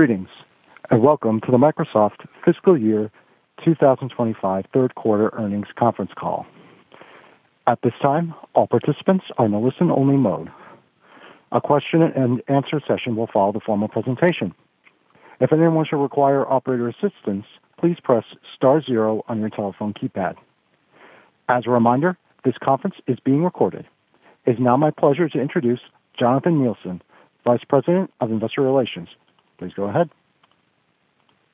Greetings and welcome to the Microsoft Fiscal Year 2025 Third Quarter Earnings Conference Call. At this time, all participants are in a listen-only mode. A question-and-answer session will follow the formal presentation. If anyone should require operator assistance, please press Star 0 on your telephone keypad. As a reminder, this conference is being recorded. It is now my pleasure to introduce Jonathan Neilson, Vice President of Industry Relations. Please go ahead.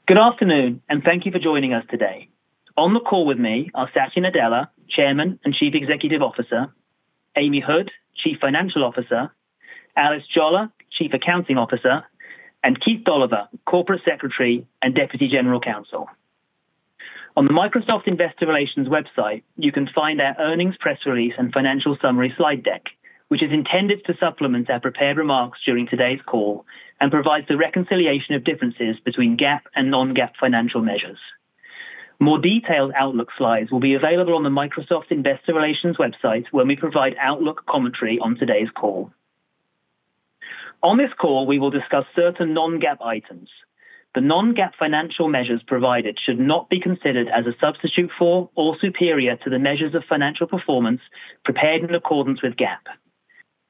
Good afternoon, and thank you for joining us today. On the call with me are Satya Nadella, Chairman and Chief Executive Officer; Amy Hood, Chief Financial Officer; Alice Jolla, Chief Accounting Officer; and Keith Doliver, Corporate Secretary and Deputy General Counsel. On the Microsoft Investor Relations website, you can find our earnings press release and financial summary slide deck, which is intended to supplement our prepared remarks during today's call and provides the reconciliation of differences between GAAP and non-GAAP financial measures. More detailed Outlook slides will be available on the Microsoft Investor Relations website when we provide Outlook commentary on today's call. On this call, we will discuss certain non-GAAP items. The non-GAAP financial measures provided should not be considered as a substitute for or superior to the measures of financial performance prepared in accordance with GAAP.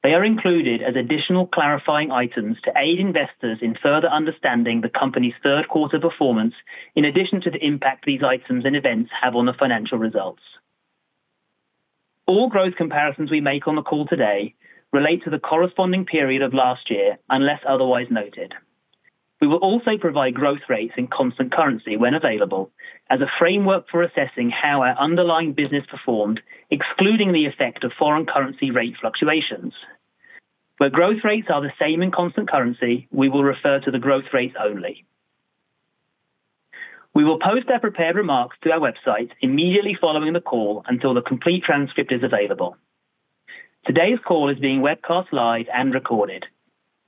They are included as additional clarifying items to aid investors in further understanding the company's third quarter performance, in addition to the impact these items and events have on the financial results. All growth comparisons we make on the call today relate to the corresponding period of last year, unless otherwise noted. We will also provide growth rates in constant currency when available as a framework for assessing how our underlying business performed, excluding the effect of foreign currency rate fluctuations. Where growth rates are the same in constant currency, we will refer to the growth rates only. We will post our prepared remarks to our website immediately following the call until the complete transcript is available. Today's call is being webcast live and recorded.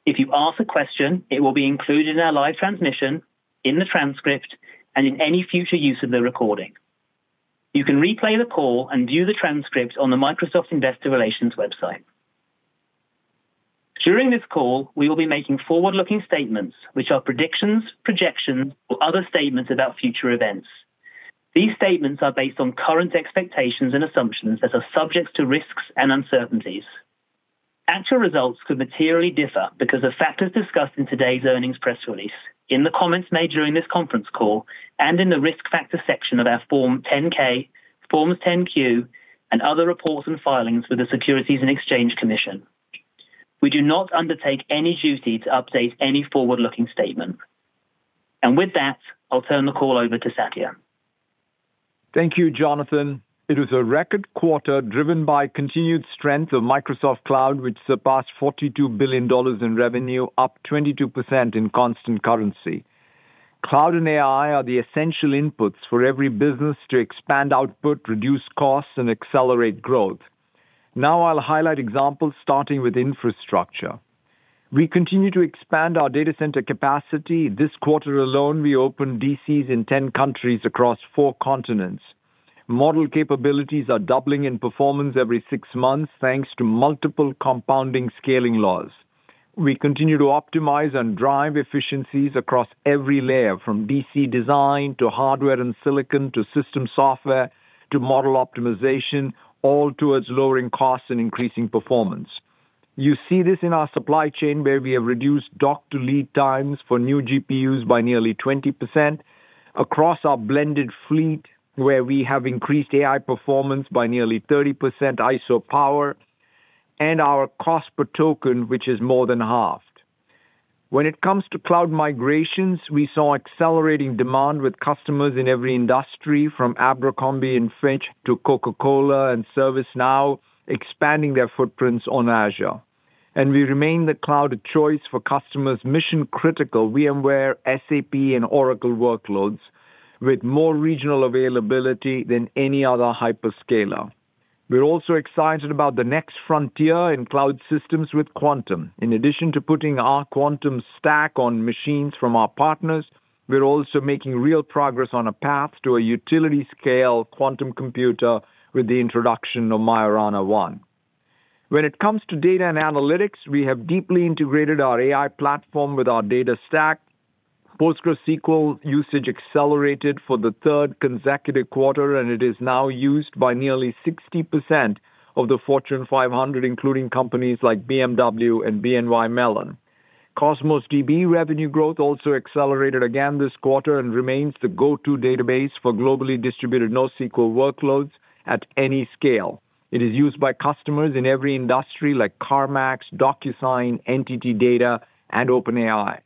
If you ask a question, it will be included in our live transmission, in the transcript, and in any future use of the recording. You can replay the call and view the transcript on the Microsoft Investor Relations website. During this call, we will be making forward-looking statements, which are predictions, projections, or other statements about future events. These statements are based on current expectations and assumptions that are subject to risks and uncertainties. Actual results could materially differ because of factors discussed in today's earnings press release, in the comments made during this conference call, and in the risk factor section of our Form 10-K, Forms 10-Q, and other reports and filings with the Securities and Exchange Commission. We do not undertake any duty to update any forward-looking statement. With that, I'll turn the call over to Satya. Thank you, Jonathan. It was a record quarter driven by continued strength of Microsoft Cloud, which surpassed $42 billion in revenue, up 22% in constant currency. Cloud and AI are the essential inputs for every business to expand output, reduce costs, and accelerate growth. Now I'll highlight examples starting with infrastructure. We continue to expand our data center capacity. This quarter alone, we opened DCs in 10 countries across four continents. Model capabilities are doubling in performance every six months, thanks to multiple compounding scaling laws. We continue to optimize and drive efficiencies across every layer, from DC design to hardware and silicon to system software to model optimization, all towards lowering costs and increasing performance. You see this in our supply chain, where we have reduced dock-to-lead times for new GPUs by nearly 20%, across our blended fleet, where we have increased AI performance by nearly 30%, ISO power, and our cost per token, which is more than halved. When it comes to cloud migrations, we saw accelerating demand with customers in every industry, from Abercrombie & Fitch to Coca-Cola and ServiceNow, expanding their footprints on Azure. We remain the cloud of choice for customers' mission-critical VMware, SAP, and Oracle workloads, with more regional availability than any other hyperscaler. We are also excited about the next frontier in cloud systems with Quantum. In addition to putting our Quantum stack on machines from our partners, we are also making real progress on a path to a utility-scale quantum computer with the introduction of Majorana One. When it comes to data and analytics, we have deeply integrated our AI platform with our data stack. PostgreSQL usage accelerated for the third consecutive quarter, and it is now used by nearly 60% of the Fortune 500, including companies like BMW and BNY Mellon. Cosmos DB revenue growth also accelerated again this quarter and remains the go-to database for globally distributed NoSQL workloads at any scale. It is used by customers in every industry, like CarMax, DocuSign, Intuit, and OpenAI.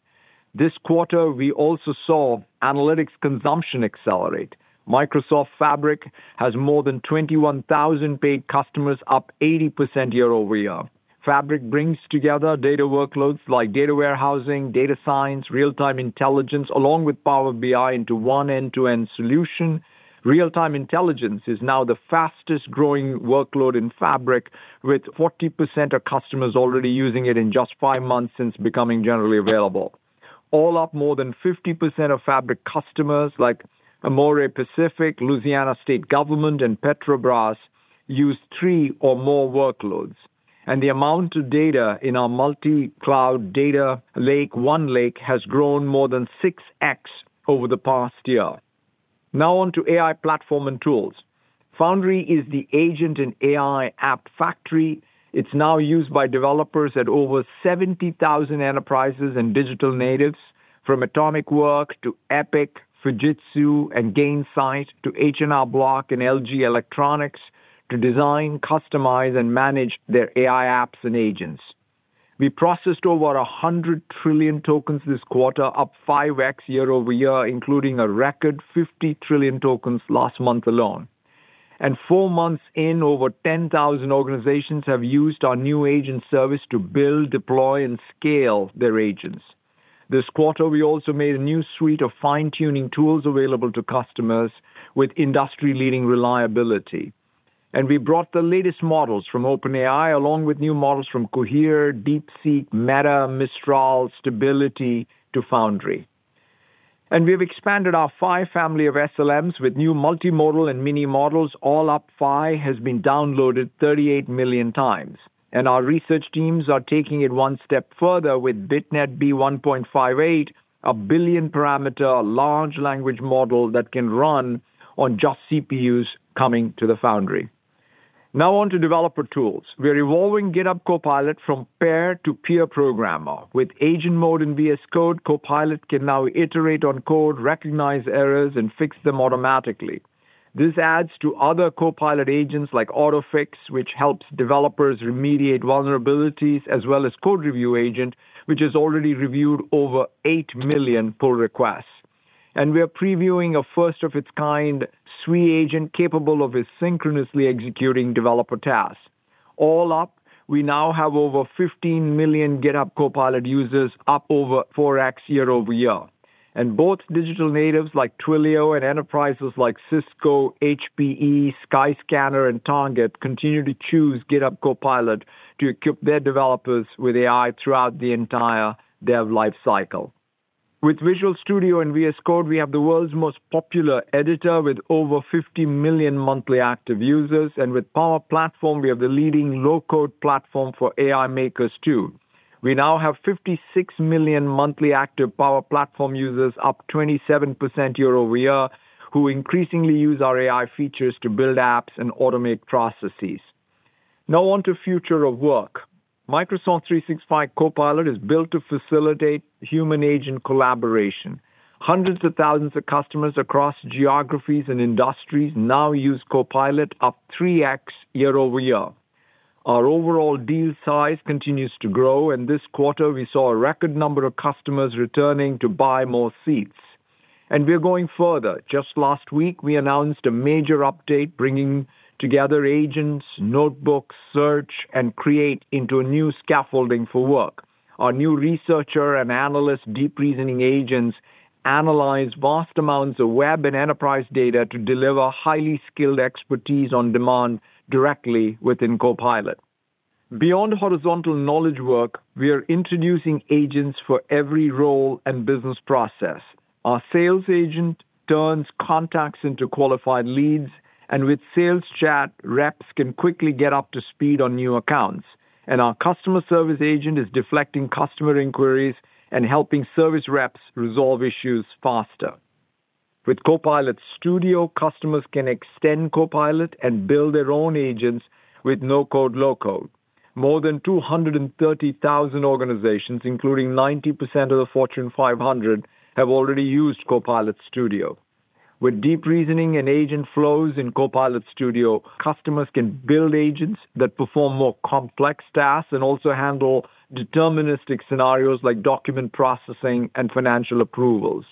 This quarter, we also saw analytics consumption accelerate. Microsoft Fabric has more than 21,000 paid customers, up 80% year over year. Fabric brings together data workloads like data warehousing, data science, real-time intelligence, along with Power BI into one end-to-end solution. Real-time intelligence is now the fastest-growing workload in Fabric, with 40% of customers already using it in just five months since becoming generally available. All up, more than 50% of Fabric customers, like Amore Pacific, Louisiana State Government, and Petrobras, use three or more workloads. The amount of data in our multi-cloud data lake, One Lake, has grown more than 6X over the past year. Now on to AI platform and tools. Foundry is the agent and AI app factory. It's now used by developers at over 70,000 enterprises and digital natives, from Atomic Work to Epic, Fujitsu and Gainsight, to H&R Block and LG Electronics, to design, customize, and manage their AI apps and agents. We processed over 100 trillion tokens this quarter, up 5X year over year, including a record 50 trillion tokens last month alone. Four months in, over 10,000 organizations have used our new agent service to build, deploy, and scale their agents. This quarter, we also made a new suite of fine-tuning tools available to customers with industry-leading reliability. We brought the latest models from OpenAI, along with new models from Cohere, DeepSeek, Meta, Mistral, Stability, to Foundry. We have expanded our PHY family of SLMs with new multimodal and mini models. All up, PHY has been downloaded 38 million times. Our research teams are taking it one step further with BitNet B1.58, a billion-parameter large language model that can run on just CPUs coming to the Foundry. Now on to developer tools. We're evolving GitHub Copilot from pair to peer programmer. With agent mode in VS Code, Copilot can now iterate on code, recognize errors, and fix them automatically. This adds to other Copilot agents like AutoFix, which helps developers remediate vulnerabilities, as well as Code Review Agent, which has already reviewed over 8 million pull requests. We are previewing a first-of-its-kind SWE agent capable of asynchronously executing developer tasks. All up, we now have over 15 million GitHub Copilot users, up over 4X year-over-year. Both digital natives like Twilio and enterprises like Cisco, HPE, Skyscanner, and Target continue to choose GitHub Copilot to equip their developers with AI throughout the entire dev life cycle. With Visual Studio and VS Code, we have the world's most popular editor with over 50 million monthly active users. With Power Platform, we have the leading low-code platform for AI makers too. We now have 56 million monthly active Power Platform users, up 27% year-over-year, who increasingly use our AI features to build apps and automate processes. Now on to future of work. Microsoft 365 Copilot is built to facilitate human-agent collaboration. Hundreds of thousands of customers across geographies and industries now use Copilot, up 3X year-over-year. Our overall deal size continues to grow. This quarter, we saw a record number of customers returning to buy more seats. We are going further. Just last week, we announced a major update bringing together agents, notebooks, search, and create into a new scaffolding for work. Our new researcher and analyst, deep reasoning agents, analyze vast amounts of web and enterprise data to deliver highly skilled expertise on demand directly within Copilot. Beyond horizontal knowledge work, we are introducing agents for every role and business process. Our sales agent turns contacts into qualified leads, and with sales chat, reps can quickly get up to speed on new accounts. Our customer service agent is deflecting customer inquiries and helping service reps resolve issues faster. With Copilot Studio, customers can extend Copilot and build their own agents with no code, low code. More than 230,000 organizations, including 90% of the Fortune 500, have already used Copilot Studio. With deep reasoning and agent flows in Copilot Studio, customers can build agents that perform more complex tasks and also handle deterministic scenarios like document processing and financial approvals.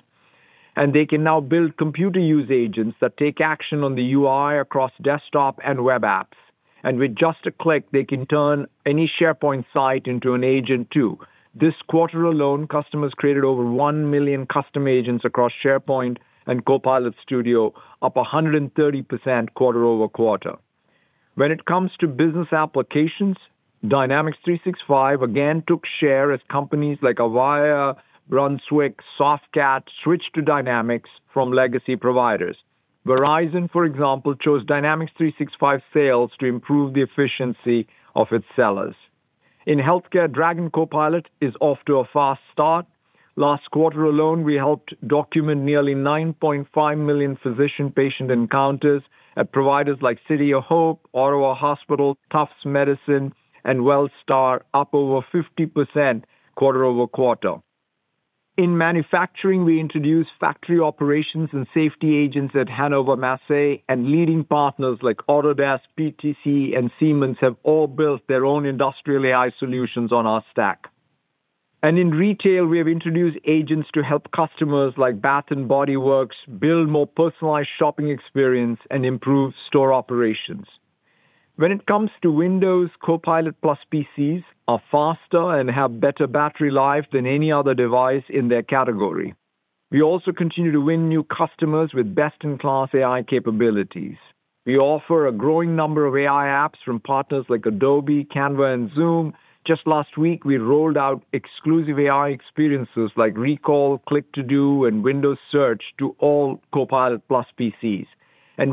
They can now build computer-use agents that take action on the UI across desktop and web apps. With just a click, they can turn any SharePoint site into an agent too. This quarter alone, customers created over 1 million custom agents across SharePoint and Copilot Studio, up 130% quarter over quarter. When it comes to business applications, Dynamics 365 again took share as companies like Avaya, Brunswick, and SoftCat switched to Dynamics from legacy providers. Verizon, for example, chose Dynamics 365 Sales to improve the efficiency of its sellers. In healthcare, Dragon Copilot is off to a fast start. Last quarter alone, we helped document nearly 9.5 million physician-patient encounters at providers like City of Hope, Ottawa Hospital, Tufts Medicine, and WellStar, up over 50% quarter over quarter. In manufacturing, we introduced factory operations and safety agents at Hanover Massey, and leading partners like Autodesk, PTC, and Siemens have all built their own industrial AI solutions on our stack. In retail, we have introduced agents to help customers like Bath & Body Works build more personalized shopping experience and improve store operations. When it comes to Windows, Copilot+ PCs are faster and have better battery life than any other device in their category. We also continue to win new customers with best-in-class AI capabilities. We offer a growing number of AI apps from partners like Adobe, Canva, and Zoom. Just last week, we rolled out exclusive AI experiences like Recall, Click to Do, and Windows Search to all Copilot+ PCs.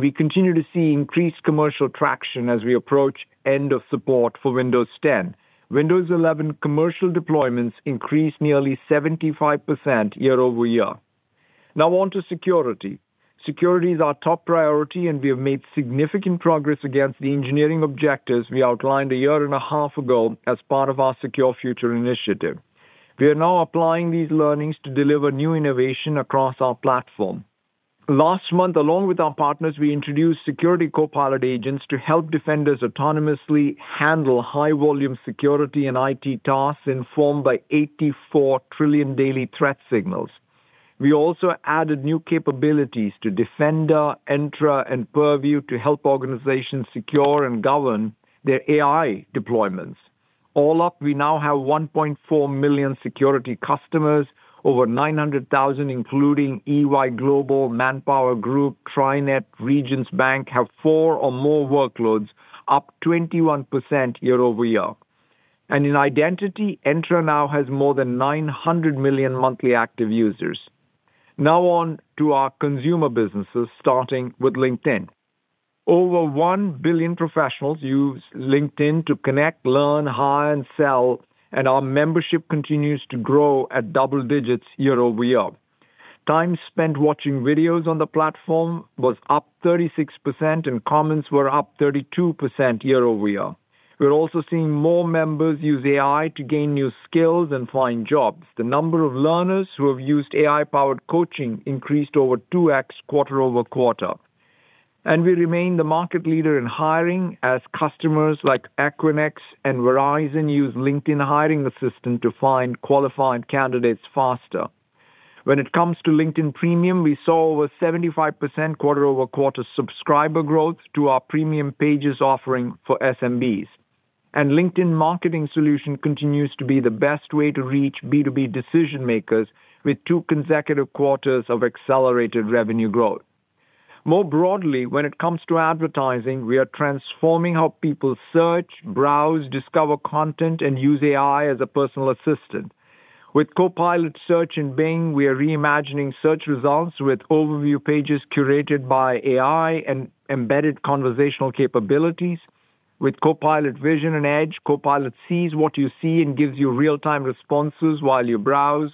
We continue to see increased commercial traction as we approach end of support for Windows 10. Windows 11 commercial deployments increased nearly 75% year-over-year. Now on to security. Security is our top priority, and we have made significant progress against the engineering objectives we outlined a year and a half ago as part of our Secure Future initiative. We are now applying these learnings to deliver new innovation across our platform. Last month, along with our partners, we introduced Security Copilot agents to help Defender autonomously handle high-volume security and IT tasks informed by 84 trillion daily threat signals. We also added new capabilities to Defender, Entra, and Purview to help organizations secure and govern their AI deployments. All up, we now have 1.4 million security customers, over 900,000, including EY Global, Manpower Group, TriNet, and Regions Bank, have four or more workloads, up 21% year-over-year. In identity, Entra now has more than 900 million monthly active users. Now on to our consumer businesses, starting with LinkedIn. Over 1 billion professionals use LinkedIn to connect, learn, hire, and sell, and our membership continues to grow at double digits year-over-year. Time spent watching videos on the platform was up 36%, and comments were up 32% year-over-year. We are also seeing more members use AI to gain new skills and find jobs. The number of learners who have used AI-powered coaching increased over 2X quarter over quarter. We remain the market leader in hiring as customers like Equinix and Verizon use LinkedIn Hiring Assistant to find qualified candidates faster. When it comes to LinkedIn Premium, we saw over 75% quarter over quarter subscriber growth to our premium pages offering for SMBs. LinkedIn Marketing Solution continues to be the best way to reach B2B decision-makers with two consecutive quarters of accelerated revenue growth. More broadly, when it comes to advertising, we are transforming how people search, browse, discover content, and use AI as a personal assistant. With Copilot Search and Bing, we are reimagining search results with overview pages curated by AI and embedded conversational capabilities. With Copilot Vision and Edge, Copilot sees what you see and gives you real-time responses while you browse.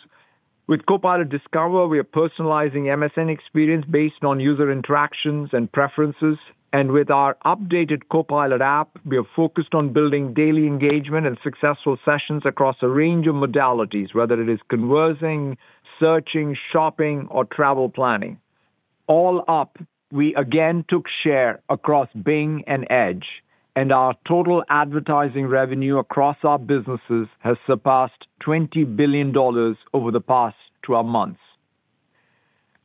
With Copilot Discover, we are personalizing MSN experience based on user interactions and preferences. With our updated Copilot app, we are focused on building daily engagement and successful sessions across a range of modalities, whether it is conversing, searching, shopping, or travel planning. All up, we again took share across Bing and Edge, and our total advertising revenue across our businesses has surpassed $20 billion over the past 12 months.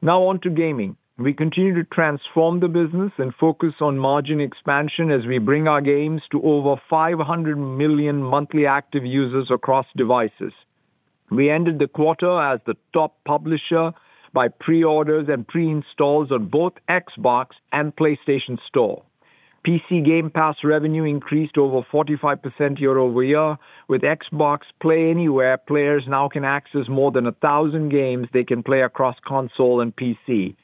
Now on to gaming. We continue to transform the business and focus on margin expansion as we bring our games to over 500 million monthly active users across devices. We ended the quarter as the top publisher by pre-orders and pre-installs on both Xbox and PlayStation Store. PC Game Pass revenue increased over 45% year-over-year. With Xbox Play Anywhere, players now can access more than 1,000 games they can play across console and PC.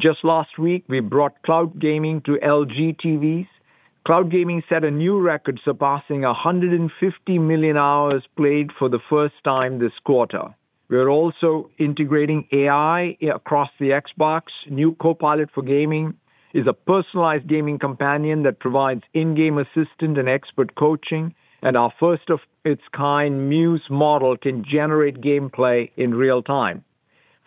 Just last week, we brought cloud gaming to LG TVs. Cloud gaming set a new record, surpassing 150 million hours played for the first time this quarter. We are also integrating AI across the Xbox. New Copilot for Gaming is a personalized gaming companion that provides in-game assistant and expert coaching. Our first-of-its-kind Muse model can generate gameplay in real time.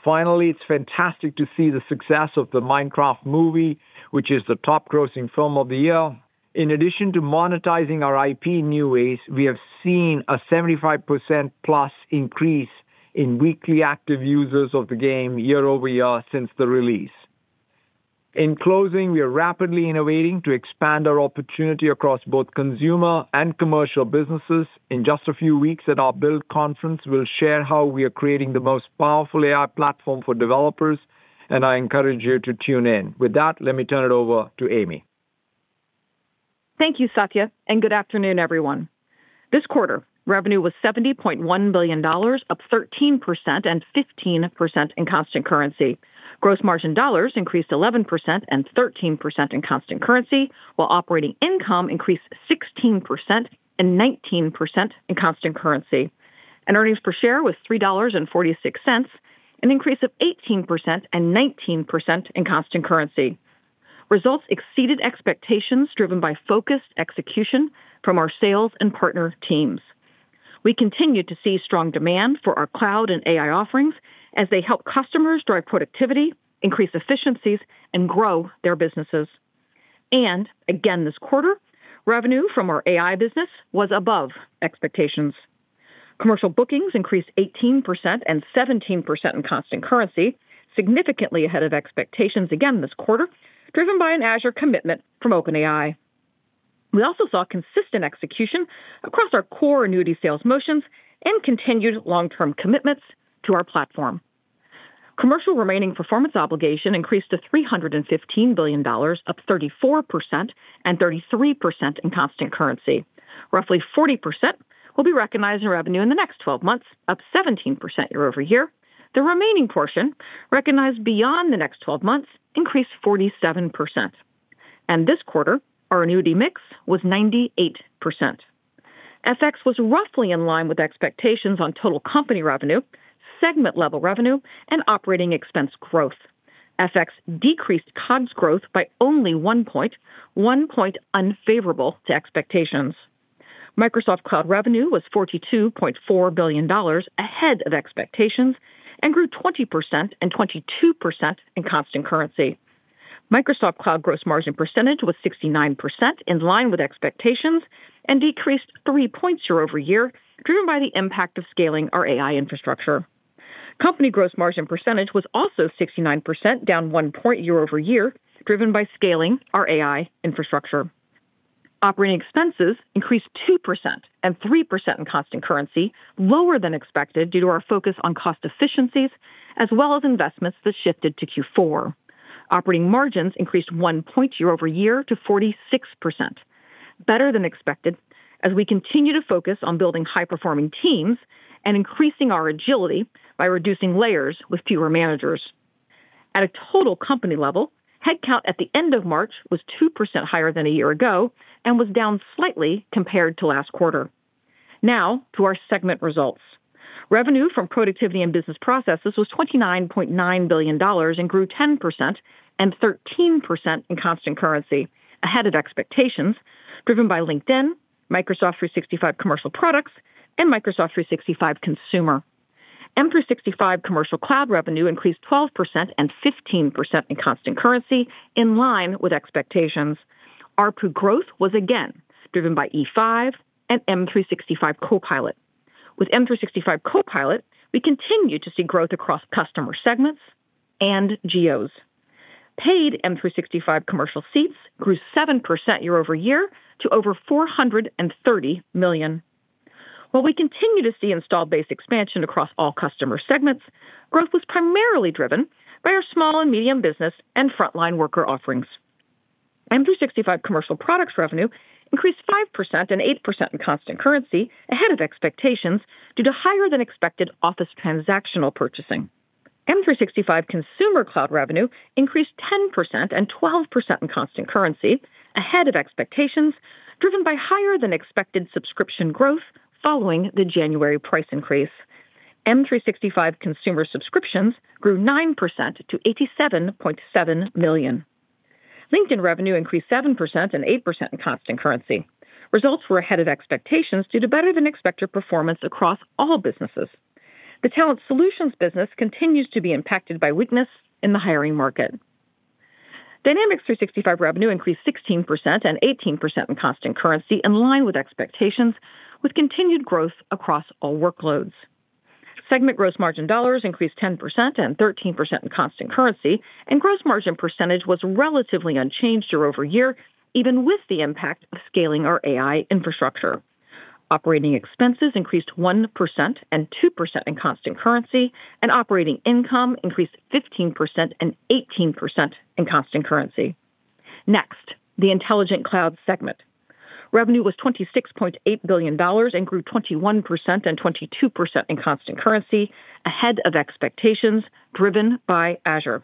Finally, it is fantastic to see the success of the Minecraft movie, which is the top-grossing film of the year. In addition to monetizing our IP in new ways, we have seen a 75% plus increase in weekly active users of the game year-over-year since the release. In closing, we are rapidly innovating to expand our opportunity across both consumer and commercial businesses. In just a few weeks at our Build Conference, we will share how we are creating the most powerful AI platform for developers, and I encourage you to tune in. With that, let me turn it over to Amy. Thank you, Satya, and good afternoon, everyone. This quarter, revenue was $70.1 billion, up 13% and 15% in constant currency. Gross margin dollars increased 11% and 13% in constant currency, while operating income increased 16% and 19% in constant currency. Earnings per share was $3.46, an increase of 18% and 19% in constant currency. Results exceeded expectations driven by focused execution from our sales and partner teams. We continue to see strong demand for our cloud and AI offerings as they help customers drive productivity, increase efficiencies, and grow their businesses. Again this quarter, revenue from our AI business was above expectations. Commercial bookings increased 18% and 17% in constant currency, significantly ahead of expectations again this quarter, driven by an Azure commitment from OpenAI. We also saw consistent execution across our core annuity sales motions and continued long-term commitments to our platform. Commercial remaining performance obligation increased to $315 billion, up 34% and 33% in constant currency. Roughly 40% will be recognized in revenue in the next 12 months, up 17% year-over-year. The remaining portion recognized beyond the next 12 months increased 47%. This quarter, our annuity mix was 98%. FX was roughly in line with expectations on total company revenue, segment-level revenue, and operating expense growth. FX decreased COGS growth by only one point, one point unfavorable to expectations. Microsoft Cloud revenue was $42.4 billion ahead of expectations and grew 20% and 22% in constant currency. Microsoft Cloud gross margin percentage was 69% in line with expectations and decreased 3 points year-over-year, driven by the impact of scaling our AI infrastructure. Company gross margin percentage was also 69%, down 1 point year-over-year, driven by scaling our AI infrastructure. Operating expenses increased 2% and 3% in constant currency, lower than expected due to our focus on cost efficiencies, as well as investments that shifted to Q4. Operating margins increased 1 pointyear-over-year year to 46%, better than expected as we continue to focus on building high-performing teams and increasing our agility by reducing layers with fewer managers. At a total company level, headcount at the end of March was 2% higher than a year ago and was down slightly compared to last quarter. Now to our segment results. Revenue from productivity and business processes was $29.9 billion and grew 10% and 13% in constant currency, ahead of expectations driven by LinkedIn, Microsoft 365 commercial products, and Microsoft 365 consumer. M365 commercial cloud revenue increased 12% and 15% in constant currency, in line with expectations. Our growth was again driven by E5 and M365 Copilot. With M365 Copilot, we continue to see growth across customer segments and GOs. Paid M365 commercial seats grew 7% year-over-year to over 430 million. While we continue to see installed-base expansion across all customer segments, growth was primarily driven by our small and medium business and frontline worker offerings. M365 commercial products revenue increased 5% and 8% in constant currency, ahead of expectations due to higher-than-expected Office transactional purchasing. M365 consumer cloud revenue increased 10% and 12% in constant currency, ahead of expectations, driven by higher-than-expected subscription growth following the January price increase. M365 consumer subscriptions grew 9% to 87.7 million. LinkedIn revenue increased 7% and 8% in constant currency. Results were ahead of expectations due to better-than-expected performance across all businesses. The talent solutions business continues to be impacted by weakness in the hiring market. Dynamics 365 revenue increased 16% and 18% in constant currency, in line with expectations, with continued growth across all workloads. Segment gross margin dollars increased 10% and 13% in constant currency, and gross margin percentage was relatively unchanged year-over-year, even with the impact of scaling our AI infrastructure. Operating expenses increased 1% and 2% in constant currency, and operating income increased 15% and 18% in constant currency. Next, the Intelligent Cloud segment. Revenue was $26.8 billion and grew 21% and 22% in constant currency, ahead of expectations driven by Azure.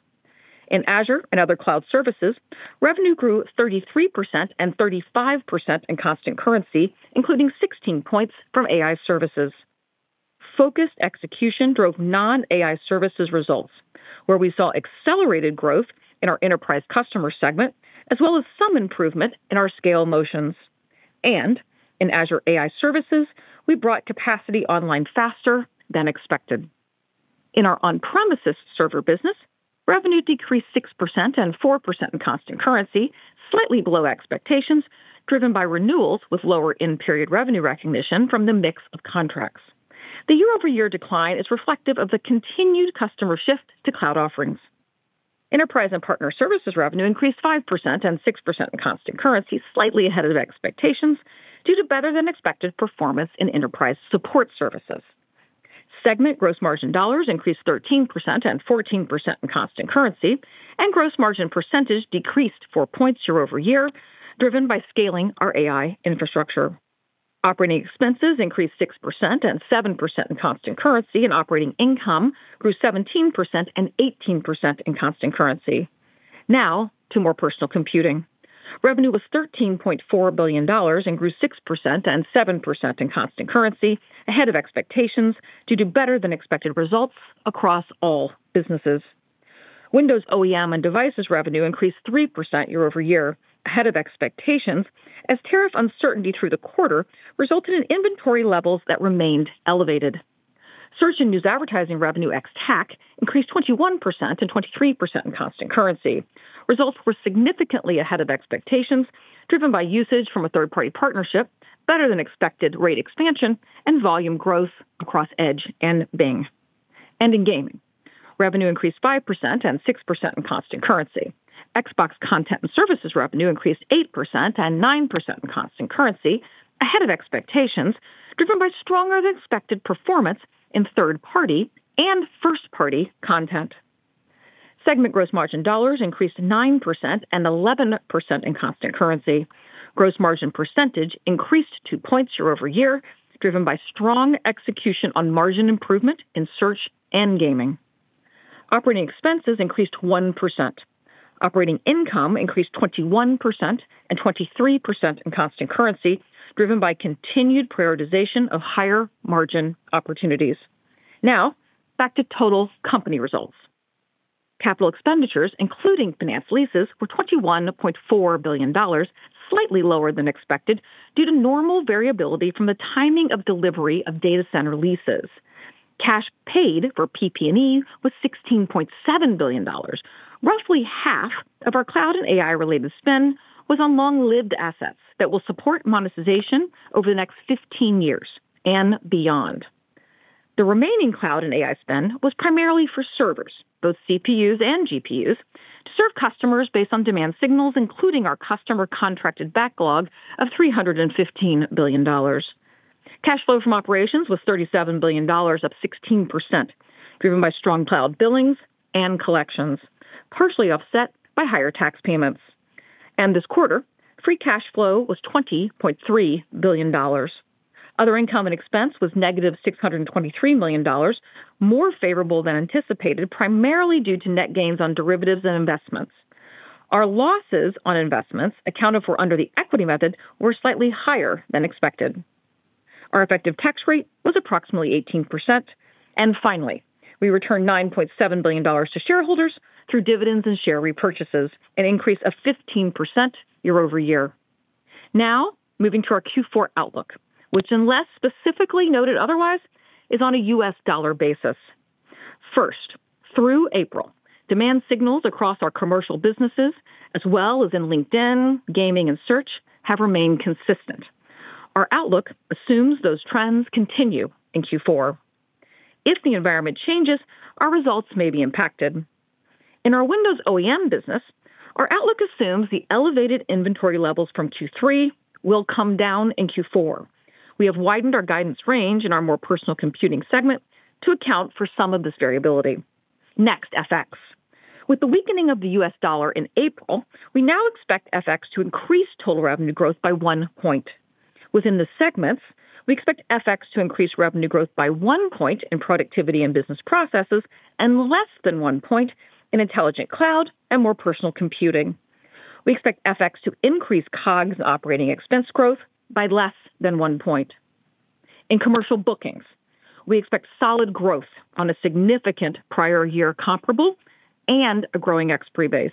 In Azure and other cloud services, revenue grew 33% and 35% in constant currency, including 16 points from AI services. Focused execution drove non-AI services results, where we saw accelerated growth in our enterprise customer segment, as well as some improvement in our scale motions. In Azure AI services, we brought capacity online faster than expected. In our on-premises server business, revenue decreased 6% and 4% in constant currency, slightly below expectations, driven by renewals with lower end-period revenue recognition from the mix of contracts. The year-over-year decline is reflective of the continued customer shift to cloud offerings. Enterprise and partner services revenue increased 5% and 6% in constant currency, slightly ahead of expectations due to better-than-expected performance in enterprise support services. Segment gross margin dollars increased 13% and 14% in constant currency, and gross margin percentage decreased 4 percentage points year-over-year, driven by scaling our AI infrastructure. Operating expenses increased 6% and 7% in constant currency, and operating income grew 17% and 18% in constant currency. Now to more personal computing. Revenue was $13.4 billion and grew 6% and 7% in constant currency, ahead of expectations due to better-than-expected results across all businesses. Windows OEM and devices revenue increased 3% year-over-year, ahead of expectations, as tariff uncertainty through the quarter resulted in inventory levels that remained elevated. Search and news advertising revenue ex TAC increased 21% and 23% in constant currency. Results were significantly ahead of expectations, driven by usage from a third-party partnership, better-than-expected rate expansion, and volume growth across Edge and Bing. In gaming, revenue increased 5% and 6% in constant currency. Xbox content and services revenue increased 8% and 9% in constant currency, ahead of expectations, driven by stronger-than-expected performance in third-party and first-party content. Segment gross margin dollars increased 9% and 11% in constant currency. Gross margin percentage increased 2 points year-over-year, driven by strong execution on margin improvement in search and gaming. Operating expenses increased 1%. Operating income increased 21% and 23% in constant currency, driven by continued prioritization of higher margin opportunities. Now, back to total company results. Capital expenditures, including finance leases, were $21.4 billion, slightly lower than expected due to normal variability from the timing of delivery of data center leases. Cash paid for PP&E was $16.7 billion. Roughly half of our cloud and AI-related spend was on long-lived assets that will support monetization over the next 15 years and beyond. The remaining cloud and AI spend was primarily for servers, both CPUs and GPUs, to serve customers based on demand signals, including our customer contracted backlog of $315 billion. Cash flow from operations was $37 billion, up 16%, driven by strong cloud billings and collections, partially offset by higher tax payments. This quarter, free cash flow was $20.3 billion. Other income and expense was negative $623 million, more favorable than anticipated, primarily due to net gains on derivatives and investments. Our losses on investments accounted for under the equity method were slightly higher than expected. Our effective tax rate was approximately 18%. Finally, we returned $9.7 billion to shareholders through dividends and share repurchases, an increase of 15% year-over-year. Now, moving to our Q4 outlook, which, unless specifically noted otherwise, is on a US dollar basis. First, through April, demand signals across our commercial businesses, as well as in LinkedIn, gaming, and search, have remained consistent. Our outlook assumes those trends continue in Q4. If the environment changes, our results may be impacted. In our Windows OEM business, our outlook assumes the elevated inventory levels from Q3 will come down in Q4. We have widened our guidance range in our More Personal Computing segment to account for some of this variability. Next, FX. With the weakening of the US dollar in April, we now expect FX to increase total revenue growth by one point. Within the segments, we expect FX to increase revenue growth by one point in Productivity and Business Processes, and less than one point in Intelligent Cloud and More Personal Computing. We expect FX to increase COGS and operating expense growth by less than one point. In commercial bookings, we expect solid growth on a significant prior year comparable and a growing expert base.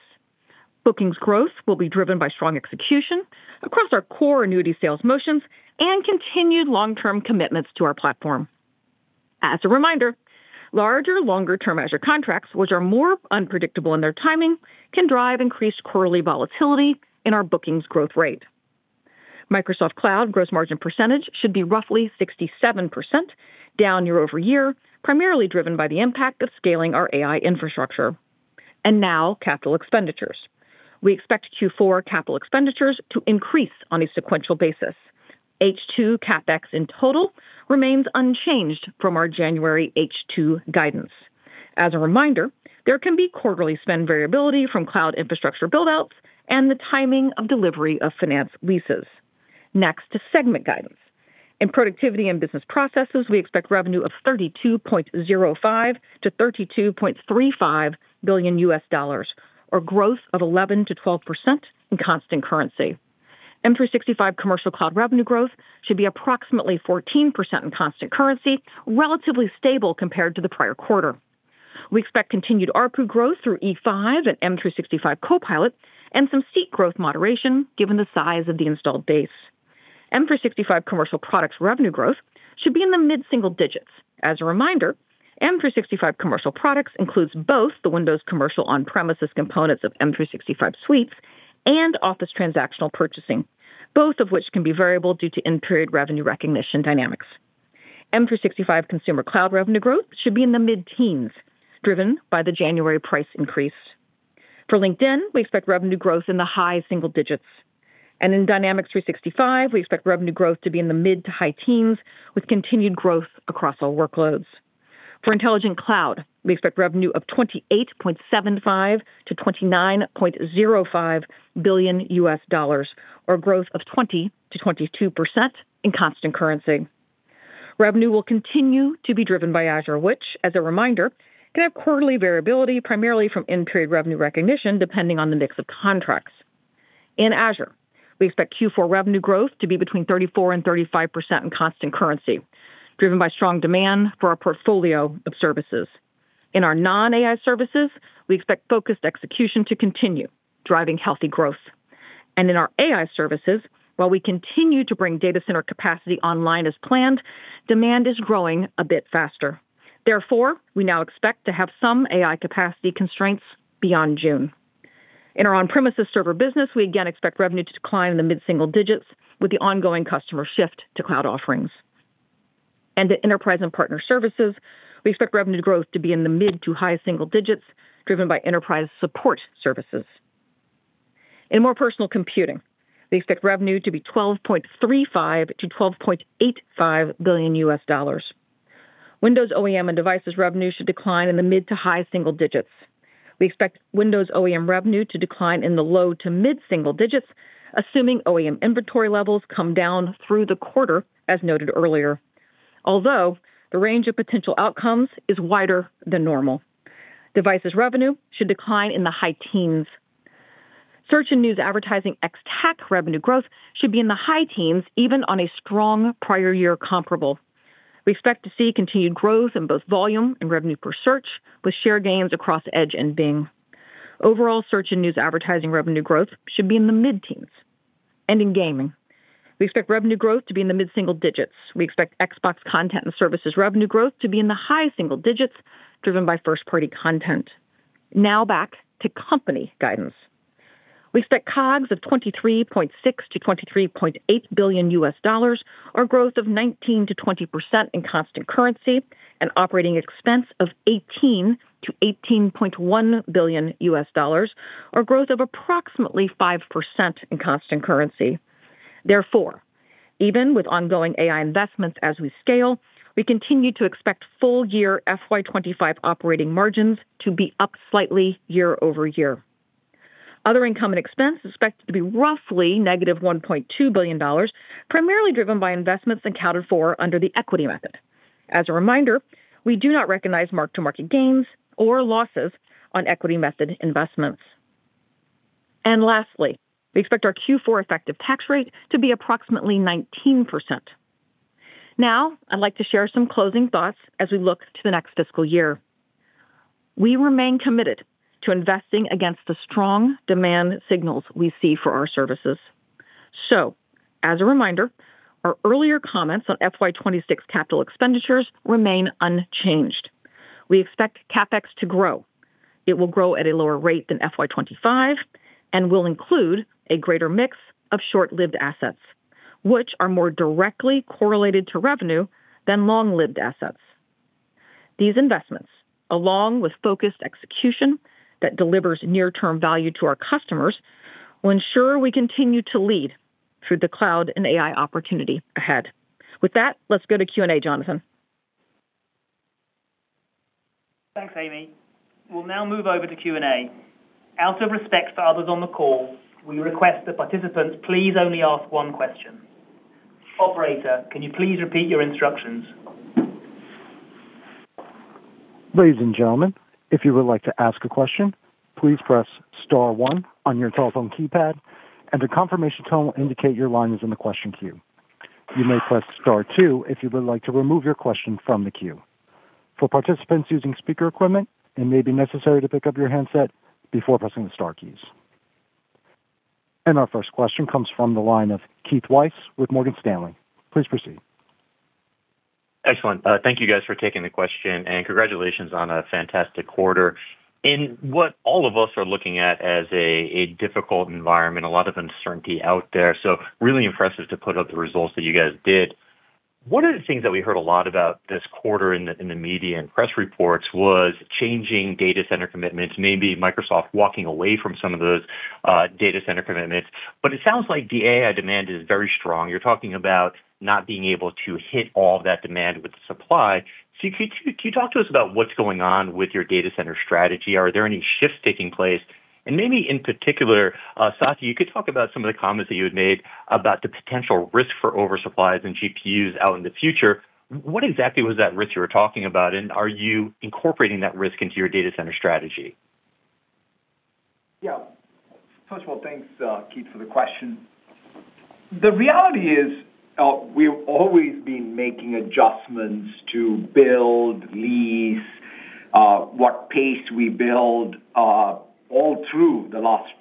Bookings growth will be driven by strong execution across our core annuity sales motions and continued long-term commitments to our platform. As a reminder, larger, longer-term Azure contracts, which are more unpredictable in their timing, can drive increased quarterly volatility in our bookings growth rate. Microsoft Cloud gross margin percentage should be roughly 67%, down year-over-year, primarily driven by the impact of scaling our AI infrastructure. Now, capital expenditures. We expect Q4 capital expenditures to increase on a sequential basis. H2 CapEx in total remains unchanged from our January H2 guidance. As a reminder, there can be quarterly spend variability from cloud infrastructure buildouts and the timing of delivery of finance leases. Next, segment guidance. In productivity and business processes, we expect revenue of $32.05 billion-$32.35 billion, or growth of 11%-12% in constant currency. M365 commercial cloud revenue growth should be approximately 14% in constant currency, relatively stable compared to the prior quarter. We expect continued ARPU growth through E5 and M365 Copilot and some seat growth moderation given the size of the installed base. M365 commercial products revenue growth should be in the mid-single digits. As a reminder, M365 commercial products includes both the Windows commercial on-premises components of M365 suites and office transactional purchasing, both of which can be variable due to end-period revenue recognition dynamics. M365 consumer cloud revenue growth should be in the mid-teens, driven by the January price increase. For LinkedIn, we expect revenue growth in the high single digits. In Dynamics 365, we expect revenue growth to be in the mid to high teens with continued growth across all workloads. For intelligent cloud, we expect revenue of $28.75-$29.05 billion US dollars, or growth of 20%-22% in constant currency. Revenue will continue to be driven by Azure, which, as a reminder, can have quarterly variability primarily from end-period revenue recognition depending on the mix of contracts. In Azure, we expect Q4 revenue growth to be between 34%-35% in constant currency, driven by strong demand for our portfolio of services. In our non-AI services, we expect focused execution to continue, driving healthy growth. In our AI services, while we continue to bring data center capacity online as planned, demand is growing a bit faster. Therefore, we now expect to have some AI capacity constraints beyond June. In our on-premises server business, we again expect revenue to decline in the mid-single digits with the ongoing customer shift to cloud offerings. In enterprise and partner services, we expect revenue growth to be in the mid to high single digits, driven by enterprise support services. In more personal computing, we expect revenue to be $12.35-$12.85 billion US dollars. Windows OEM and devices revenue should decline in the mid to high single digits. We expect Windows OEM revenue to decline in the low to mid-single digits, assuming OEM inventory levels come down through the quarter, as noted earlier, although the range of potential outcomes is wider than normal. Devices revenue should decline in the high teens. Search and news advertising ex TAC revenue growth should be in the high teens, even on a strong prior year comparable. We expect to see continued growth in both volume and revenue per search, with share gains across Edge and Bing. Overall, search and news advertising revenue growth should be in the mid-teens. In gaming, we expect revenue growth to be in the mid-single digits. We expect Xbox Content and Services revenue growth to be in the high single digits, driven by first-party content. Now back to company guidance. We expect COGS of $23.6 billion-$23.8 billion, or growth of 19%-20% in constant currency, and operating expense of $18 billion-$18.1 billion, or growth of approximately 5% in constant currency. Therefore, even with ongoing AI investments as we scale, we continue to expect full-year FY2025 operating margins to be up slightly year-over-year. Other income and expense is expected to be roughly negative $1.2 billion, primarily driven by investments accounted for under the equity method. As a reminder, we do not recognize mark-to-market gains or losses on equity method investments. Lastly, we expect our Q4 effective tax rate to be approximately 19%. Now, I'd like to share some closing thoughts as we look to the next fiscal year. We remain committed to investing against the strong demand signals we see for our services. As a reminder, our earlier comments on FY2026 capital expenditures remain unchanged. We expect CapEx to grow. It will grow at a lower rate than FY2025 and will include a greater mix of short-lived assets, which are more directly correlated to revenue than long-lived assets. These investments, along with focused execution that delivers near-term value to our customers, will ensure we continue to lead through the cloud and AI opportunity ahead. With that, let's go to Q&A, Jonathan. Thanks, Amy. We'll now move over to Q&A. Out of respect for others on the call, we request that participants please only ask one question. Operator, can you please repeat your instructions? Ladies and gentlemen, if you would like to ask a question, please press Star 1 on your telephone keypad, and a confirmation tone will indicate your line is in the question queue. You may press Star 2 if you would like to remove your question from the queue. For participants using speaker equipment, it may be necessary to pick up your handset before pressing the Star keys. Our first question comes from the line of Keith Weiss with Morgan Stanley. Please proceed. Excellent. Thank you, guys, for taking the question, and congratulations on a fantastic quarter. In what all of us are looking at as a difficult environment, a lot of uncertainty out there, so really impressive to put up the results that you guys did. One of the things that we heard a lot about this quarter in the media and press reports was changing data center commitments, maybe Microsoft walking away from some of those data center commitments. It sounds like the AI demand is very strong. You're talking about not being able to hit all of that demand with supply. Can you talk to us about what's going on with your data center strategy? Are there any shifts taking place? In particular, Satya, you could talk about some of the comments that you had made about the potential risk for oversupplies in GPUs out in the future. What exactly was that risk you were talking about, and are you incorporating that risk into your data center strategy? Yeah. First of all, thanks, Keith, for the question. The reality is we've always been making adjustments to build, lease, what pace we build all through the last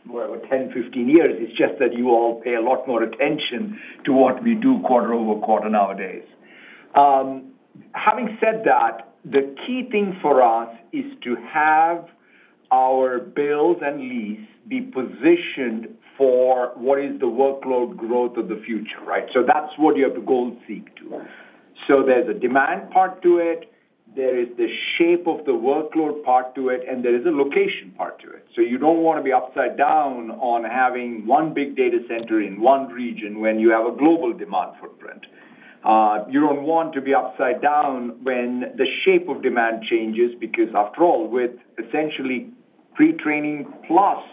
10, 15 years. It's just that you all pay a lot more attention to what we do quarter over quarter nowadays. Having said that, the key thing for us is to have our builds and lease be positioned for what is the workload growth of the future, right? That's what you have to goal-seek to. There's a demand part to it. There is the shape of the workload part to it, and there is a location part to it. You don't want to be upside down on having one big data center in one region when you have a global demand footprint. You don't want to be upside down when the shape of demand changes because, after all, with essentially pre-training plus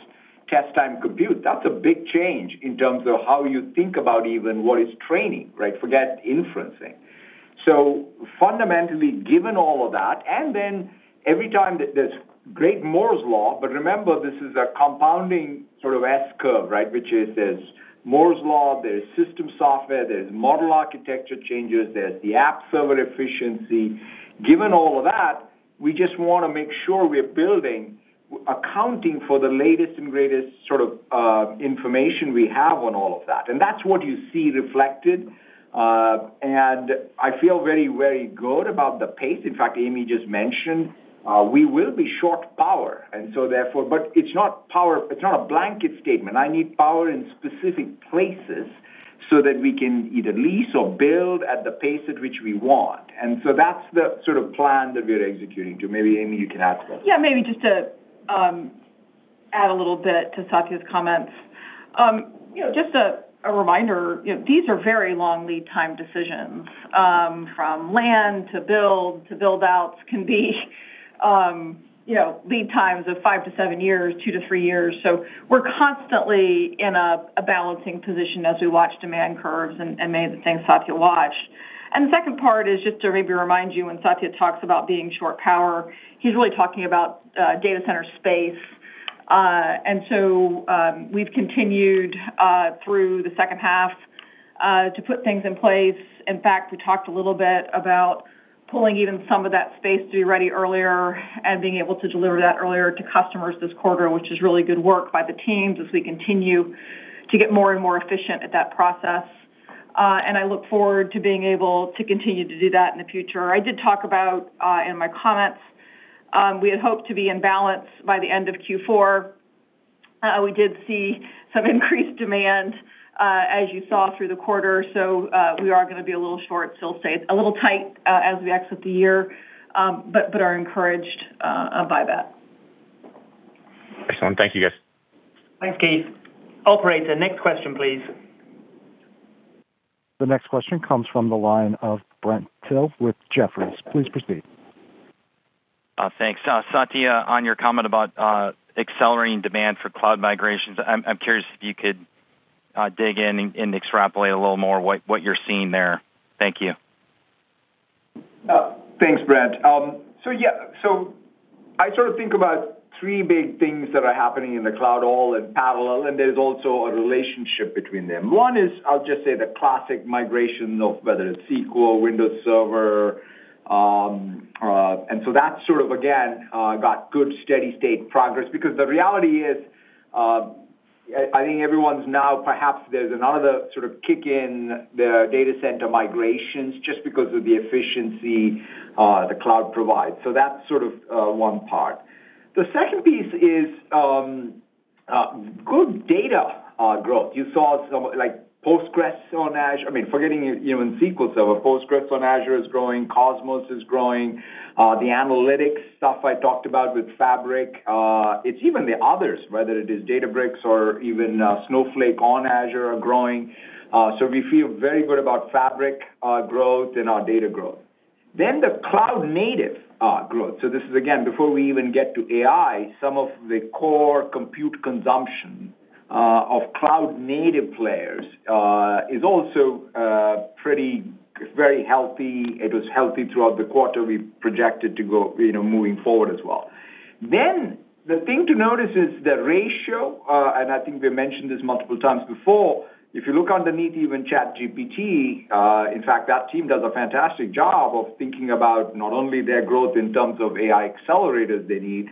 test-time compute, that's a big change in terms of how you think about even what is training, right? Forget inferencing. Fundamentally, given all of that, and then every time that there's great Moore's Law, remember, this is a compounding sort of S-curve, right, which is there's Moore's Law, there's system software, there's model architecture changes, there's the app server efficiency. Given all of that, we just want to make sure we're building accounting for the latest and greatest sort of information we have on all of that. That's what you see reflected. I feel very, very good about the pace. In fact, Amy just mentioned we will be short power. Therefore, it's not power; it's not a blanket statement. I need power in specific places so that we can either lease or build at the pace at which we want. That is the sort of plan that we're executing to. Maybe, Amy, you can add to that. Yeah, maybe just to add a little bit to Satya's comments. Just a reminder, these are very long lead-time decisions from land to build to build-outs can be lead times of five to seven years, two to three years. We are constantly in a balancing position as we watch demand curves and many of the things Satya watched. The second part is just to maybe remind you when Satya talks about being short power, he's really talking about data center space. We have continued through the second half to put things in place. In fact, we talked a little bit about pulling even some of that space to be ready earlier and being able to deliver that earlier to customers this quarter, which is really good work by the teams as we continue to get more and more efficient at that process. I look forward to being able to continue to do that in the future. I did talk about in my comments, we had hoped to be in balance by the end of Q4. We did see some increased demand, as you saw through the quarter. We are going to be a little short, still say a little tight as we exit the year, but are encouraged by that. Excellent. Thank you, guys. Thanks, Keith. Operator, next question, please. The next question comes from the line of Brent Thill with Jefferies. Please proceed. Thanks. Satya, on your comment about accelerating demand for cloud migrations, I'm curious if you could dig in and extrapolate a little more what you're seeing there. Thank you. Thanks, Brent. Yeah, I sort of think about three big things that are happening in the cloud all in parallel, and there's also a relationship between them. One is, I'll just say the classic migration of whether it's SQL, Windows Server. That sort of, again, got good steady-state progress because the reality is I think everyone's now perhaps there's another sort of kick in the data center migrations just because of the efficiency the cloud provides. That's one part. The second piece is good data growth. You saw some Postgres on Azure. I mean, forgetting in SQL Server, Postgres on Azure is growing. Cosmos is growing. The analytics stuff I talked about with Fabric, it's even the others, whether it is Databricks or even Snowflake on Azure, are growing. We feel very good about Fabric growth and our data growth. The cloud-native growth, this is, again, before we even get to AI, some of the core compute consumption of cloud-native players is also pretty very healthy. It was healthy throughout the quarter. We projected to go moving forward as well. The thing to notice is the ratio, and I think we mentioned this multiple times before. If you look underneath even ChatGPT, in fact, that team does a fantastic job of thinking about not only their growth in terms of AI accelerators they need.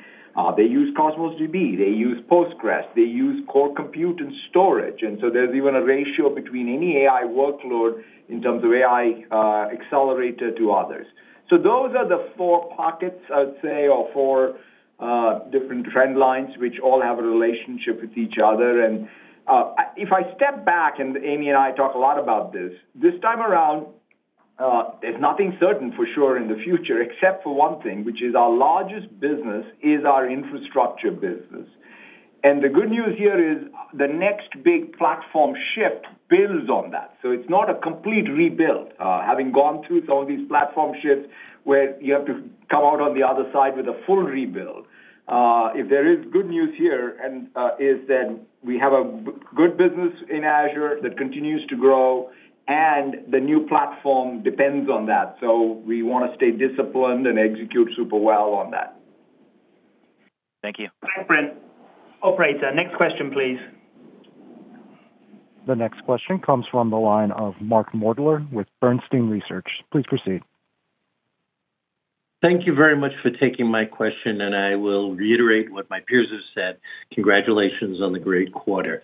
They use Cosmos DB. They use Postgres. They use core compute and storage. There is even a ratio between any AI workload in terms of AI accelerator to others. Those are the four pockets, I would say, or four different trend lines which all have a relationship with each other. If I step back, and Amy and I talk a lot about this, this time around, there is nothing certain for sure in the future except for one thing, which is our largest business is our infrastructure business. The good news here is the next big platform shift builds on that. It is not a complete rebuild. Having gone through some of these platform shifts where you have to come out on the other side with a full rebuild, if there is good news here, it is that we have a good business in Azure that continues to grow, and the new platform depends on that. We want to stay disciplined and execute super well on that. Thank you. Thanks, Brent. Operator, next question, please. The next question comes from the line of Mark Moerdler with Bernstein Research. Please proceed. Thank you very much for taking my question, and I will reiterate what my peers have said. Congratulations on the great quarter.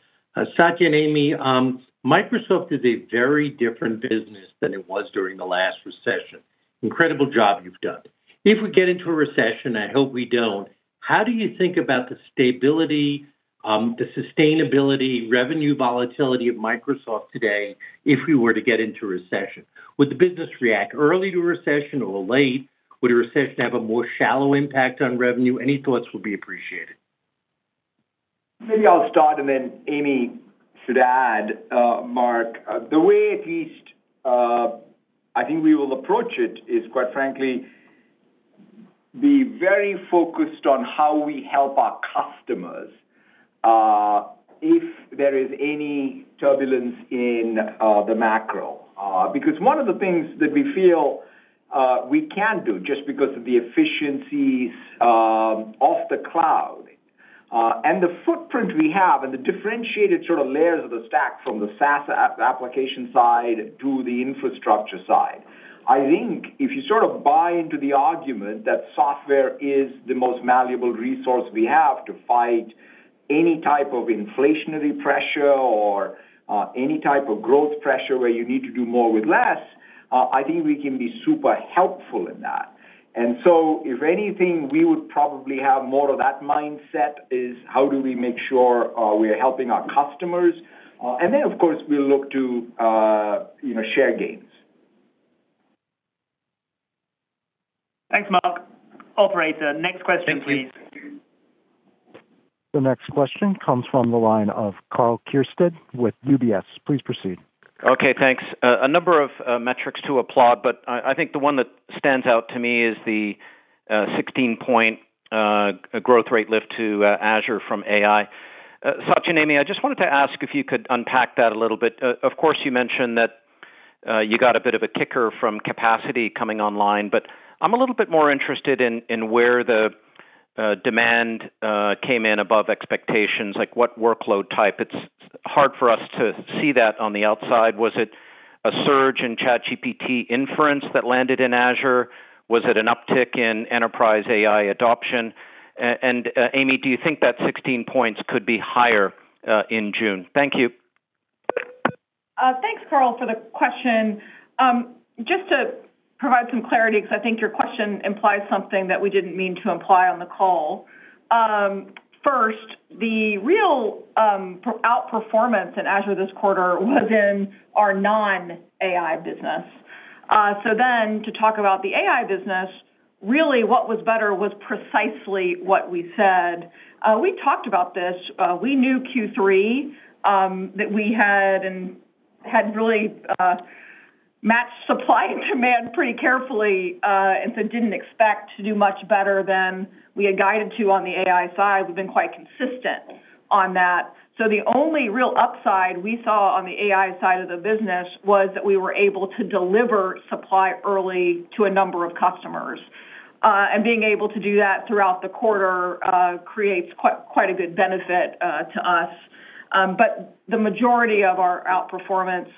Satya and Amy, Microsoft is a very different business than it was during the last recession. Incredible job you've done. If we get into a recession, I hope we don't, how do you think about the stability, the sustainability, revenue volatility of Microsoft today if we were to get into a recession? Would the business react early to a recession or late? Would a recession have a more shallow impact on revenue? Any thoughts would be appreciated. Maybe I'll start, and then Amy should add, Mark. The way at least I think we will approach it is, quite frankly, be very focused on how we help our customers if there is any turbulence in the macro. Because one of the things that we feel we can do just because of the efficiencies of the cloud and the footprint we have and the differentiated sort of layers of the stack from the SaaS application side to the infrastructure side, I think if you sort of buy into the argument that software is the most malleable resource we have to fight any type of inflationary pressure or any type of growth pressure where you need to do more with less, I think we can be super helpful in that. If anything, we would probably have more of that mindset is how do we make sure we're helping our customers. Of course, we'll look to share gains. Thanks, Mark. Operator, next question, please. The next question comes from the line of Karl Keirstead with UBS. Please proceed. Okay, thanks. A number of metrics to applaud, but I think the one that stands out to me is the 16-point growth rate lift to Azure from AI. Satya and Amy, I just wanted to ask if you could unpack that a little bit. Of course, you mentioned that you got a bit of a kicker from capacity coming online, but I'm a little bit more interested in where the demand came in above expectations, like what workload type. It's hard for us to see that on the outside. Was it a surge in ChatGPT inference that landed in Azure? Was it an uptick in enterprise AI adoption? Amy, do you think that 16 points could be higher in June? Thank you. Thanks, Karl, for the question. Just to provide some clarity, because I think your question implies something that we did not mean to imply on the call. First, the real outperformance in Azure this quarter was in our non-AI business. To talk about the AI business, really what was better was precisely what we said. We talked about this. We knew Q3 that we had and had really matched supply and demand pretty carefully and did not expect to do much better than we had guided to on the AI side. We have been quite consistent on that. The only real upside we saw on the AI side of the business was that we were able to deliver supply early to a number of customers. Being able to do that throughout the quarter creates quite a good benefit to us. The majority of our outperformance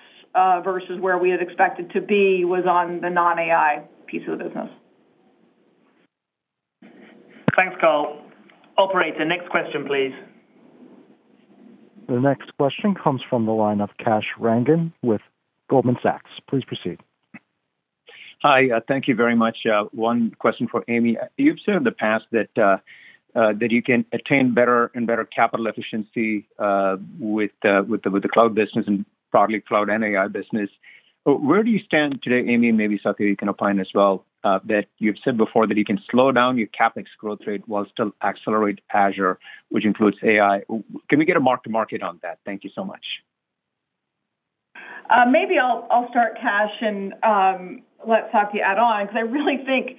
versus where we had expected to be was on the non-AI piece of the business. Thanks, Karl. Operator, next question, please. The next question comes from the line of Kash Rangan with Goldman Sachs. Please proceed. Hi, thank you very much. One question for Amy. You've said in the past that you can attain better and better capital efficiency with the cloud business and probably cloud and AI business. Where do you stand today, Amy, and maybe Satya you can opine as well that you've said before that you can slow down your CapEx growth rate while still accelerate Azure, which includes AI? Can we get a mark-to-market on that? Thank you so much. Maybe I'll start, Cash, and let Satya add on, because I really think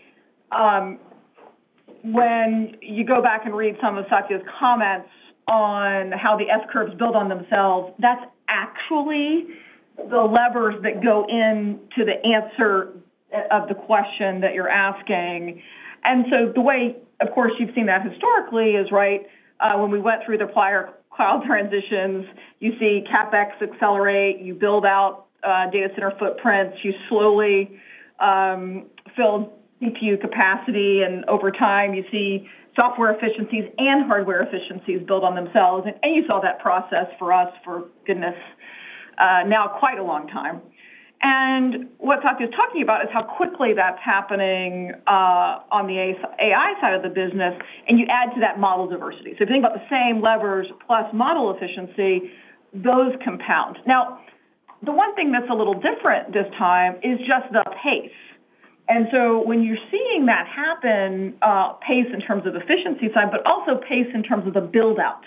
when you go back and read some of Satya's comments on how the S-curves build on themselves, that's actually the levers that go into the answer of the question that you're asking. The way, of course, you've seen that historically is, right, when we went through the prior cloud transitions, you see CapEx accelerate, you build out data center footprints, you slowly fill CPU capacity, and over time you see software efficiencies and hardware efficiencies build on themselves. You saw that process for us, for goodness, now quite a long time. What Satya is talking about is how quickly that's happening on the AI side of the business, and you add to that model diversity. If you think about the same levers plus model efficiency, those compound. Now, the one thing that's a little different this time is just the pace. When you're seeing that happen, pace in terms of efficiency side, but also pace in terms of the build-out.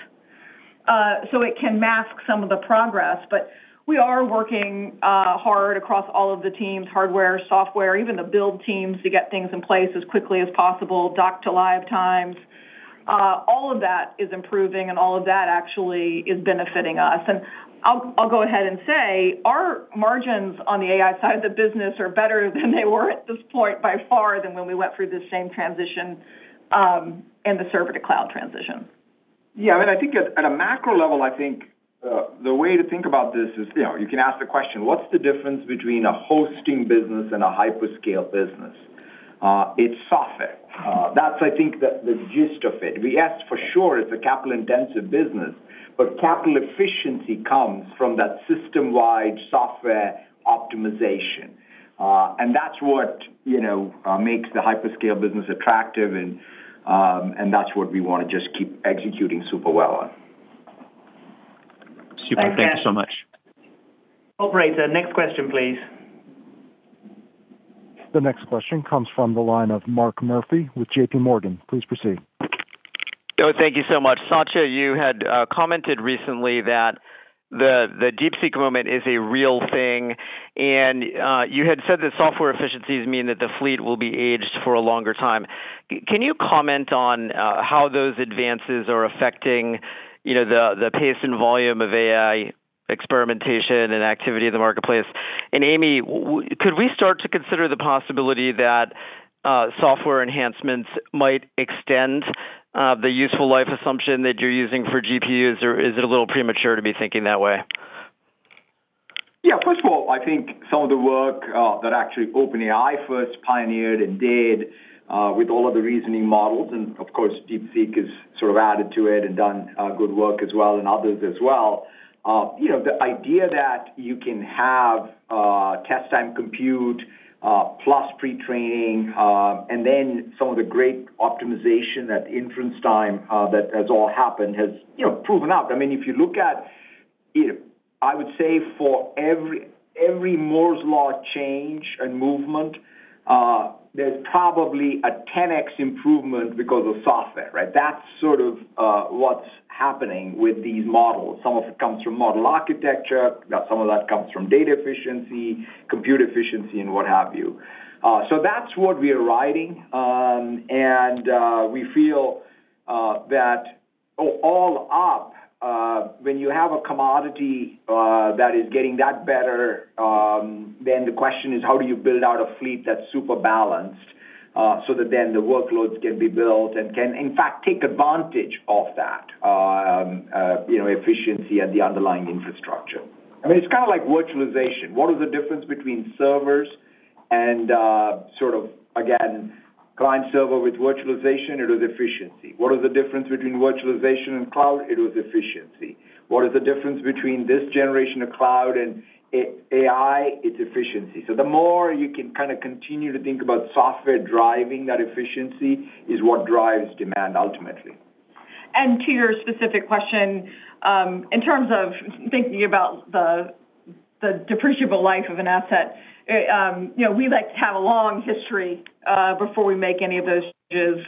It can mask some of the progress, but we are working hard across all of the teams, hardware, software, even the build teams to get things in place as quickly as possible, dock to live times. All of that is improving, and all of that actually is benefiting us. I'll go ahead and say our margins on the AI side of the business are better than they were at this point by far than when we went through the same transition and the server to cloud transition. Yeah, I mean, I think at a macro level, I think the way to think about this is you can ask the question, what's the difference between a hosting business and a hyperscale business? It's software. That's, I think, the gist of it. We ask for sure it's a capital-intensive business, but capital efficiency comes from that system-wide software optimization. That is what makes the hyperscale business attractive, and that is what we want to just keep executing super well on. Super thanks so much. Operator, next question, please. The next question comes from the line of Mark Murphy with JPMorgan. Please proceed. Thank you so much. Satya, you had commented recently that the DeepSeek movement is a real thing, and you had said that software efficiencies mean that the fleet will be aged for a longer time. Can you comment on how those advances are affecting the pace and volume of AI experimentation and activity in the marketplace? Amy, could we start to consider the possibility that software enhancements might extend the useful life assumption that you're using for GPUs, or is it a little premature to be thinking that way? Yeah, first of all, I think some of the work that actually OpenAI first pioneered and did with all of the reasoning models, and of course, DeepSeek has sort of added to it and done good work as well and others as well. The idea that you can have test-time compute plus pre-training, and then some of the great optimization that inference time that has all happened has proven out. I mean, if you look at, I would say for every Moore's law change and movement, there's probably a 10x improvement because of software, right? That's sort of what's happening with these models. Some of it comes from model architecture, some of that comes from data efficiency, compute efficiency, and what have you. That's what we are riding, and we feel that all up, when you have a commodity that is getting that better, then the question is, how do you build out a fleet that's super balanced so that then the workloads can be built and can, in fact, take advantage of that efficiency and the underlying infrastructure? I mean, it's kind of like virtualization. What is the difference between servers and sort of, again, client-server with virtualization? It was efficiency. What is the difference between virtualization and cloud? It was efficiency. What is the difference between this generation of cloud and AI? It's efficiency. The more you can kind of continue to think about software driving that efficiency is what drives demand ultimately. To your specific question, in terms of thinking about the depreciable life of an asset, we like to have a long history before we make any of those changes.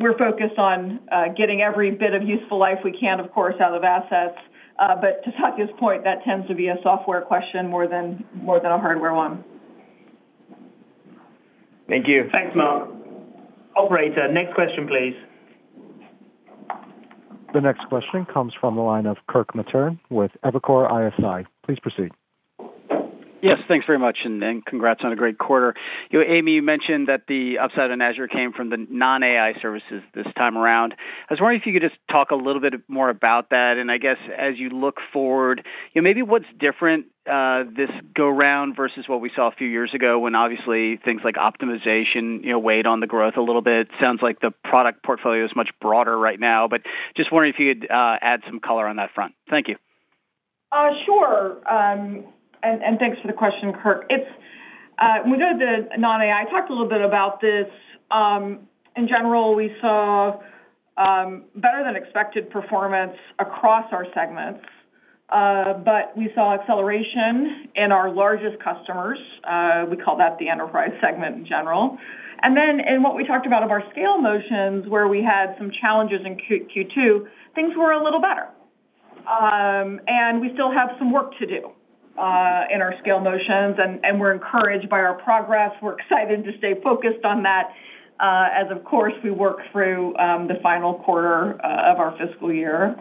We are focused on getting every bit of useful life we can, of course, out of assets. To Satya's point, that tends to be a software question more than a hardware one. Thank you. Thanks, Mark. Operator, next question, please. The next question comes from the line of Kirk Materne with Evercore ISI. Please proceed. Yes, thanks very much, and congrats on a great quarter. Amy, you mentioned that the upside in Azure came from the non-AI services this time around. I was wondering if you could just talk a little bit more about that. I guess as you look forward, maybe what's different this go-round versus what we saw a few years ago when obviously things like optimization weighed on the growth a little bit. It sounds like the product portfolio is much broader right now, but just wondering if you could add some color on that front. Thank you. Sure. Thanks for the question, Kirk. When we go to the non-AI, I talked a little bit about this. In general, we saw better-than-expected performance across our segments, but we saw acceleration in our largest customers. We call that the enterprise segment in general. In what we talked about of our scale motions, where we had some challenges in Q2, things were a little better. We still have some work to do in our scale motions, and we're encouraged by our progress. We're excited to stay focused on that as, of course, we work through the final quarter of our fiscal year.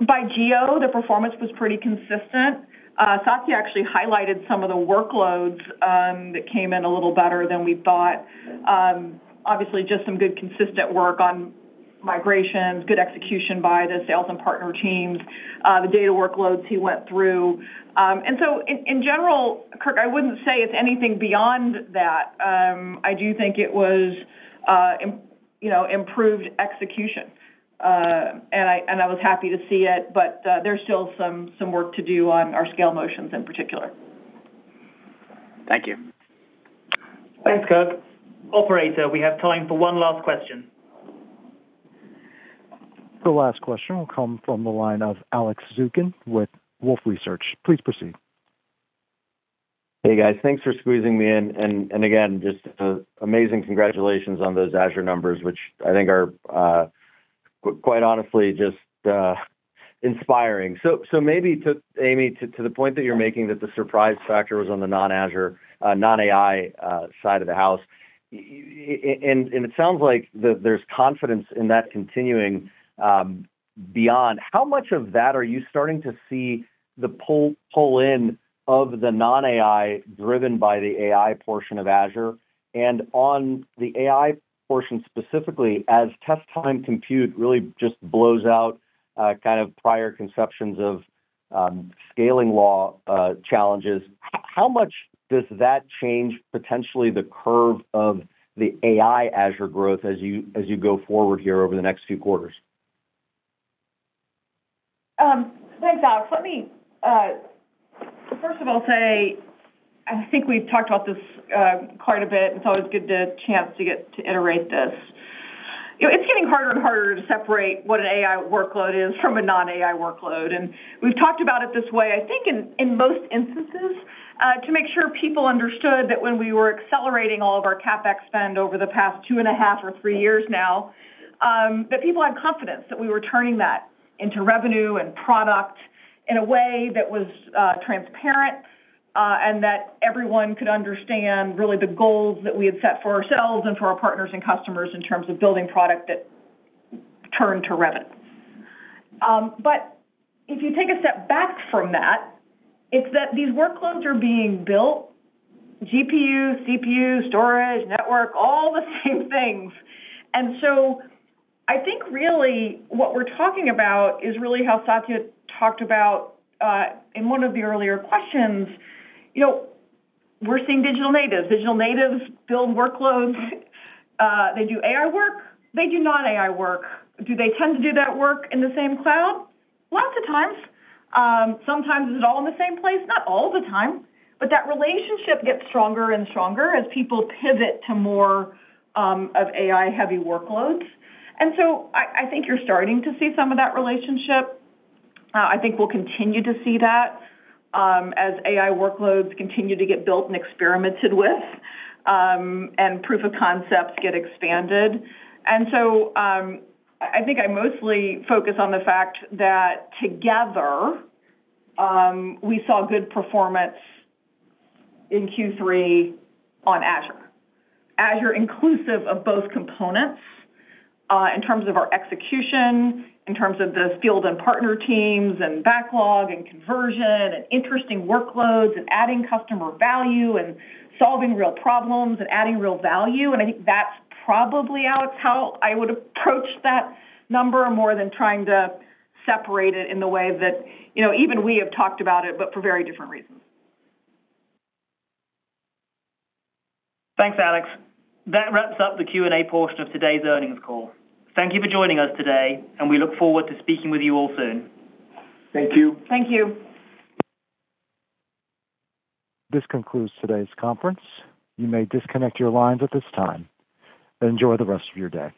By GEO, the performance was pretty consistent. Satya actually highlighted some of the workloads that came in a little better than we thought. Obviously, just some good consistent work on migrations, good execution by the sales and partner teams, the data workloads he went through. In general, Kirk, I wouldn't say it's anything beyond that. I do think it was improved execution, and I was happy to see it, but there's still some work to do on our scale motions in particular. Thank you. Thanks, Kirk. Operator, we have time for one last question. The last question will come from the line of Alex Zukin with Wolfe Research. Please proceed. Hey, guys, thanks for squeezing me in. Again, just amazing congratulations on those Azure numbers, which I think are quite honestly just inspiring. Maybe, Amy, to the point that you're making that the surprise factor was on the non-AI side of the house, and it sounds like there's confidence in that continuing beyond. How much of that are you starting to see the pull-in of the non-AI driven by the AI portion of Azure? On the AI portion specifically, as test-time compute really just blows out kind of prior conceptions of scaling law challenges, how much does that change potentially the curve of the AI Azure growth as you go forward here over the next few quarters? Thanks, Alex. Let me, first of all, say I think we've talked about this quite a bit. It's always good to chance to iterate this. It's getting harder and harder to separate what an AI workload is from a non-AI workload. We've talked about it this way, I think in most instances, to make sure people understood that when we were accelerating all of our CapEx spend over the past two and a half or three years now, people had confidence that we were turning that into revenue and product in a way that was transparent and that everyone could understand really the goals that we had set for ourselves and for our partners and customers in terms of building product that turned to revenue. If you take a step back from that, it's that these workloads are being built: GPU, CPU, storage, network, all the same things. I think really what we're talking about is really how Satya talked about in one of the earlier questions. We're seeing digital natives. Digital natives build workloads. They do AI work. They do non-AI work. Do they tend to do that work in the same cloud? Lots of times. Sometimes it's all in the same place. Not all the time, but that relationship gets stronger and stronger as people pivot to more of AI-heavy workloads. I think you're starting to see some of that relationship. I think we'll continue to see that as AI workloads continue to get built and experimented with and proof of concepts get expanded. I think I mostly focus on the fact that together we saw good performance in Q3 on Azure. Azure inclusive of both components in terms of our execution, in terms of the field and partner teams and backlog and conversion and interesting workloads and adding customer value and solving real problems and adding real value. I think that's probably, Alex, how I would approach that number more than trying to separate it in the way that even we have talked about it, but for very different reasons. Thanks, Alex. That wraps up the Q&A portion of today's earnings call. Thank you for joining us today, and we look forward to speaking with you all soon. Thank you. Thank you. This concludes today's conference. You may disconnect your lines at this time and enjoy the rest of your day.